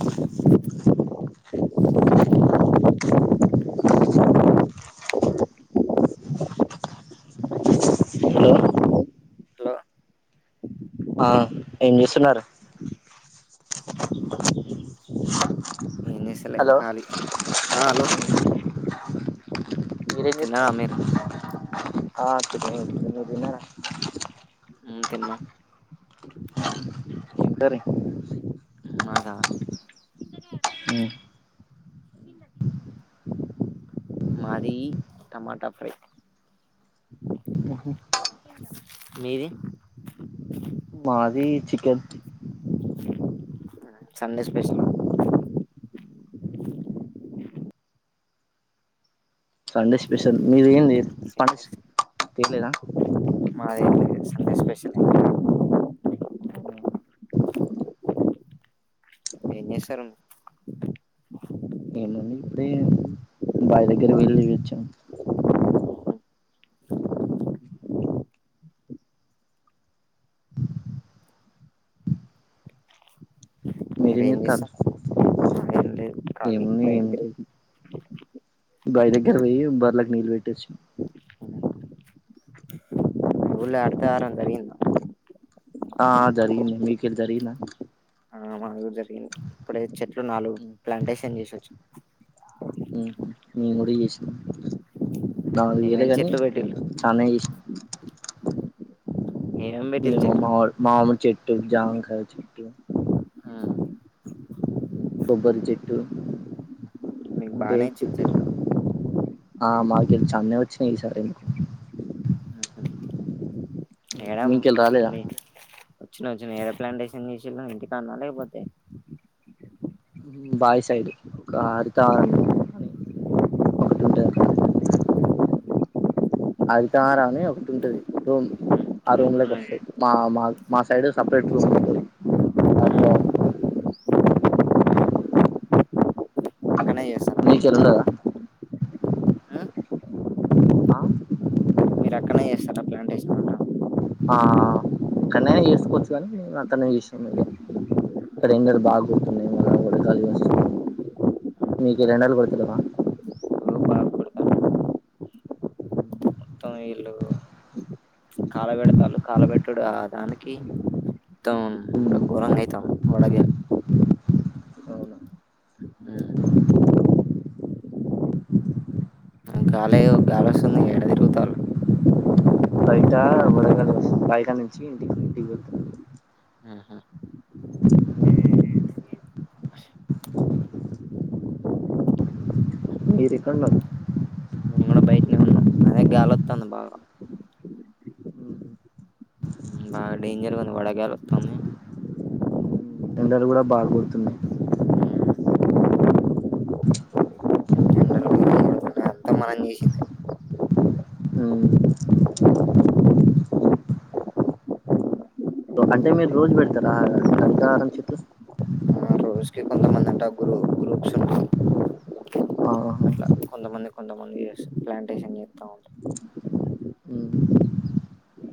ఖాళీగా ఉంది. Hello hello ఆ ఏం చేస్తున్నారు. ఏం చేస్తలే కాలి ఆ హలో [inaudible] మీరెం జేత్తారు ఆ తిన్నాన్ ఇప్పుడే మిర్ తిన్నార. ఊ తిన్నం ఏం కర్రి మాదా ఉ మాది టమాటా ఫ్రై. ఓహో మీది మాదీ chicken Sunday special Sunday special మీరు ఏంది స్పెషల్ చేలేదా మా ఇంట్లో సండే స్పెషల్ ఏం అవునా ఏం చేస్తారు ఇంగ [unintelligible] ఏముంది ఇప్పుడే బావి దగ్గరకి వెళ్ళి వచ్చాం ఉహూ మీరేం చేస్తారు ఏం లే కాళీ బయటికి వెళ్లాలి బాయి దగ్గరికి పోయి బర్రెలకు నీళ్లు పెట్టి వచ్చినా ఊర్లో హరితహారం జరిగిందా ఆ జరిగింది మీకు ఇది జరిగందా ఆరోజు అలా ఇప్పుడైతే చెట్లు నాలుగు ప్లాంటేషన్ చేసి వచ్చినాం ఉహూ నేను కూడా చేసినా నాలుగు చేయలే గాని చానా వేసిన నేను మామి మామడి చెట్టు జామకాయ చెట్టు ఉమ్ కొబ్బరి చెట్టు టేకు చెట్టు ఆ మా [unintelligible] నేను చెన్నై వచ్చిన ఈసారి ఎందుకో ఏడం వచ్చిన వచ్చిన ఏడ ప్లాంటేషన్ చేసిళ్లు ఇంటికాడనా లేకపోతే బాయి సైడ్ ఒక హరితవారం అని ఒకటి ఉంటది అక్కడ హరితహారం అని ఒకటి ఉంటది రూమ్ ఆ రూమ్ లోకి వస్తాయి మా మా మా సైడ్ సపరేట్ రూమ్ ఉంటుంది అదిత [unintelligible] ఆ ఆ ఆ ఇక్కన్నైనా చేసుకోవచ్చు కానీ అక్కడనే చేసినాం ఇంకా ఇక్కడ ఎండలు బాగా కొడుతున్నాయి మళ్ళా వడగాలులు వస్తుంది మీకు ఎ ఎండలు కొడుత లేవా ఉ కాలబెడతాళ్ళు కాలబెట్ట అక్కడ దానికి మొత్తం వరం గీతం వడ అవునా ఆ గాలేదో గాలి వస్తుంది ఏడ తిరుగుతాండ్రు బయట వడగాలి వస్తుంది బయట నుంచి ఇంటికి ఇంటికి వెళ్తున్నా మీరు ఎక్కడున్నారు నేను కూడా బయటనే వున్న అదే గాలొత్తాది బాగా ఉహూ బాగా డేంజర్ గా ఉంది వడగాలి వస్తుంది ఉమ్ ఎండలు కూడా బాగా కొడుతున్నాయ్ మొత్తం మనం చేసిందే ఉమ్ అబ్ అంటే మీరు రోజు పెడతారా హరితహారం చెట్లు మనదంతా గ్రూ గ్రూప్స్ ఉంటది ఆ కొంతమంది కొంతమంది ప్లాంటేషన్ చేస్తా ఉంటారు ఉమ్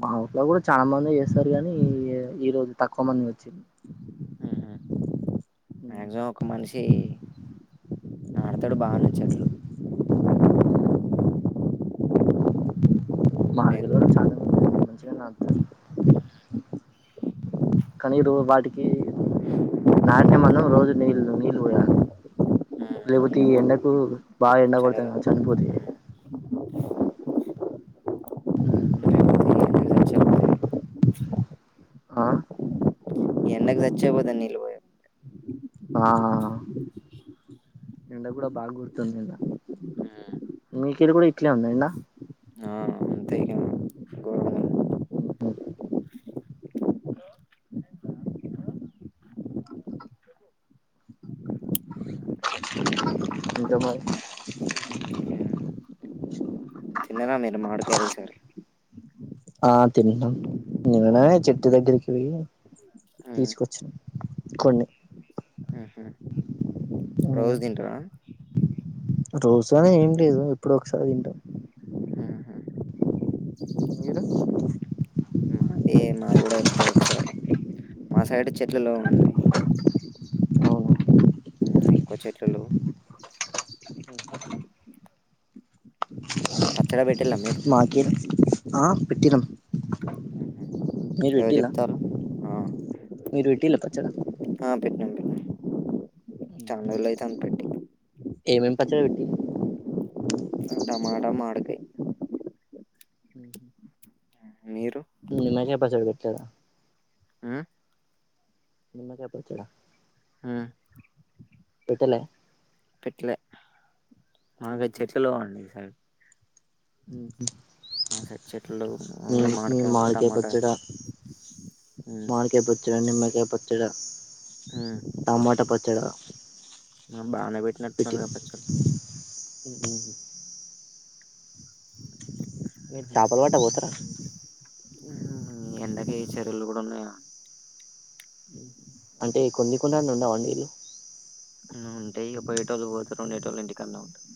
మా ఊర్లో కూడా చాలా మంది చేస్తారు కానీ ఈరోజు తక్కువ మంది వచ్చింది మాక్సిమం ఒక మనిషి నాటుతడు బానే చెట్లు హ్మ్ మా దగ్గర కూడా చాన మంది మంచిగా నాటుతరు. కానీ రో వాటికి నాటిన మనం రోజు నీళ్ళు నీళ్ళు పోయ్యాలి. లేకపోతే ఈ ఎండకు బాగా ఎండ కొడతుంది గా చనిపోతయి మ్మ్ ఆ ఎండకు సచ్చేపోతయి నీళ్లు పోయకుంటే. ఆ ఆ‌ ఆ ఎండ కూడా బాగ గొడుతుంది ఈడ. మీకెళ్ళి కూడా ఇట్లే ఉందా ఎండ? హ్మ్ హు ఇంక మరి తిన్నర మీరు మాడుకాయలు ఈసారి. ఆ తింటన్నాం, నిన్ననే చెట్టు దగ్గరికి పోయి తీసుకొచ్చినం కొన్ని. రోజు తింటరా? రోజు అని ఏం లేదు ఎప్పుడో ఒకసారి తింటం. మీరు ఏ మావి కూడ ఎప్పుడో ఒకసారి. మా సైడ్ చె ట్లలో ఉన్నాయి ఎక్కువ చెట్లలో పచ్చడ పెట్ మాకే ఆ పెట్టినం ఎవర్ చెప్తారు మీరు వెట్టిల్ల పచ్చడా? ఆ పెట్నం పెట్నం చాన రోజులైతాంది పెట్టి ఏమేమి పచ్చడి పెట్టిల్లు టమాట, మాడుకై మ్మ్ హు నిమ్మ చె పచ్చడ పెట్టలేదా? నిమ్మకాయ పచ్చడా పెట్టలే పెట్లే మాకైతే చెట్లే లేవండి ఈసారి. మ్మ్ హు మా సైడ చెట్లు లేవ్ ఓన్లీ మాడికాయలు, టమాటా మ్మ్ ఏ పచ్చడా టమాట పచ్చడా అ బానే పెట్టినట్టున్నరుగ పచ్చళ్ళు? ఉ హు హు. మీర్ చాపల బట్ట పోతరా? ఎండకి ఈ చెరువులు గూడ ఉన్నాయా? ఉమ్ అంటే కొన్ని కొన్నన్న ఉండవా నీళ్ళు? ఎ ఇగ పోయేటోళ్లు పోతరు, ఉండేటోళ్లు ఇంటికాన్నె ఉంటరు.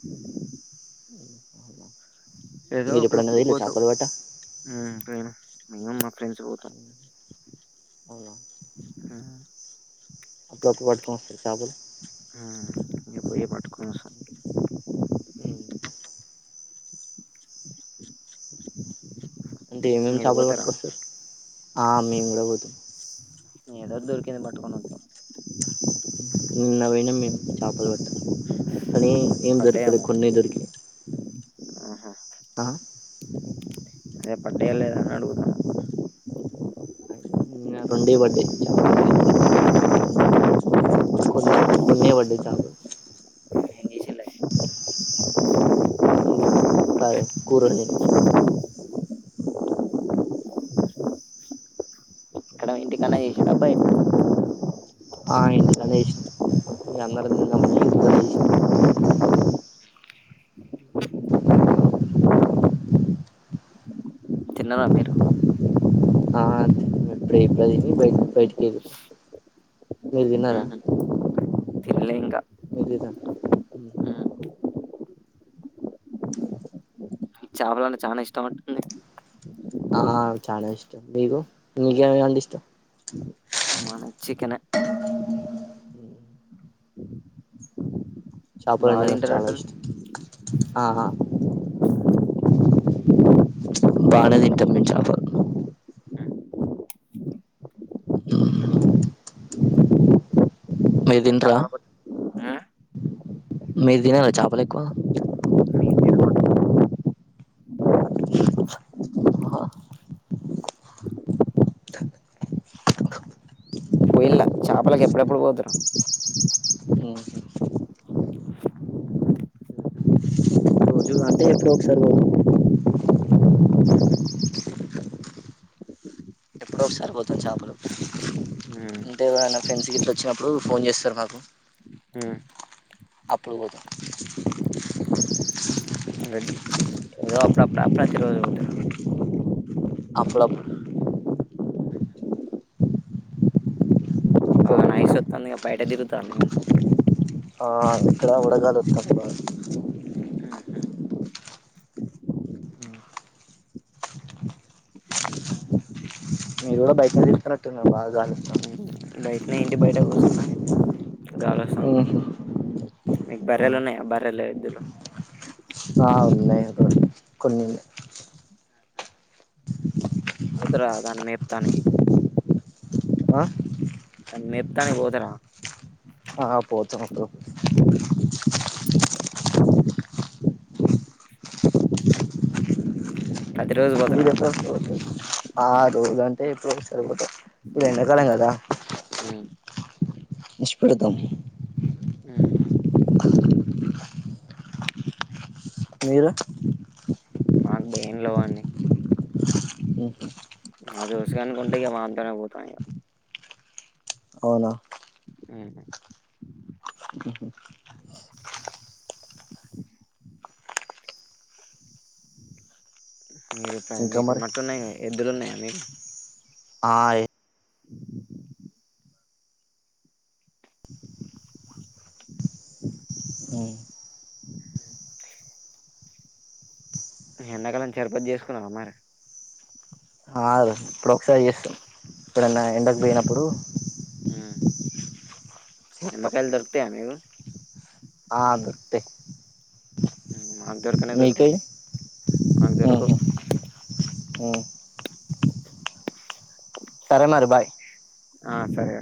[inaudible] ఏదో అప్పుడప్పుడు పోతమ్. ఉమ్ మేము మేము మా ఫ్రెండ్స్ పోతం. ఉమ్ అప్పుడప్పుడు పట్టుకొని ఒస్తర చాపలు? ఉమ్ ఇగ పోయే పట్టుకో ఉమ్ అంటె ఏమేమ్ చాపలు పట్టుకొస్తరు? ఆ మేం గూడ పోతం. ఏదో దొరికింది పట్టుకోనొత్తం. నిన్నబొయ్నం మేమ్ చాపలు పట్ట. కనీ, ఏం దొరుక్తలే కొన్నే దొరికినయ్. ఆ అదే పడ్డయ లేదా అని అడుగుతాన. ఆ రెండే పడ్డయి, చాపల్ గంతె. కొన్నె కొన్నే బడ్డయ్ చాపలు. ఇగ కర్ కూరోండినం. ఆ ఇంటికన్నే చేశ్నం, ఇగ అందరం తిందామని ఇంంటికన్నే చేశ్నం. తిన్నవా ఫ్రెండు. ఆ తిన్న ఇప్పుడే, ఇప్పుడె తిని బయల్ బయటికి ఎల్ల. మీరు తిన్నారా? మీర్ తిన్ర? ఉహు. చాపలంటే చాన ఇష్టం అట్టుంది? ఆ ఆ ఆ చాన ఇష్టం, మీకు? మీకేమేం అంటే ఇష్టం? ఆ చికెనే. చాపలంటే నాకు చాలా ఇష్టం. ఆహా బానే తింటం మేమ్ చాపల్. ఉ హుమ్, మీర్ తింట్రా? మీర్ దినర చాపల్ ఎక్కువ? అహ పొయిల్ల? చాపలకెప్పుడెప్పుడు పోతరు? ఉ హు. అంటే ఎప్డోక్సారి పొతం. ఎప్పుడోక్సరి పోతం చాపలు. అంటే ఎవరైన ఫ్రెండ్స్ గిట్ల వచ్చినప్పుడు ఫోన్ జేస్తరు మాకు, అప్పుడు పోతం. ఏదో అప్పుడుప్పుడ ప్ర తిరోజుగొట్టిన. అప్పుడప్పుడు బా నైస్ వొత్తంది గా బయట తిరుగుతారు ఆ ఇక్కడ వడగాలి వస్తుంది బాగా మీరు కూడా బయట తిరుగుతున్నట్టున్నారు బాగా బయటనే ఇంటి బయట కూసున్నాం ఓహొ మీకు బర్రెలు ఉన్నాయా బర్రెలు, ఎద్దులు ఆ ఉన్నాయి అ కొన్ని ముద్దలా దాని మేప్డానికి ఆ మేప్డానికి పోతారా ఆ పోతాంటాం మేయడానికి పోతాయ్ ఆ రోజు అంటే ఇప్పుడు సరిపోతాయి ఇది ఎండాకాలం కదా ఇష్ పెడతాం మీరు మాకు భయం లో అవన్నీ మ్మ్ హ్మ్ ఆ దోసుగా అనుకుంటే ఇక వానితోనే పోతన్ ఇగ అవునా మ్మ్ ఉన్నట్టున్నాయి గా ఎద్దులున్నాయా మీరు ఆ ఇ పంచర్ కట్ చేసుకున్నావ మరి ఆ ఇప్పుడు ఒకసారి చేస్తాం ఎప్పుడన్న ఎండకు పోయినప్పుడు నిమ్మకాయలు దొరుకు తాయ మీఊర్లో ఆ దొరుకుతాయి మాకు దొరకనే దొరకవ్ మాకు దొరకవ్ మ్మ్ సరే మరి బాయ్ ఆ సరే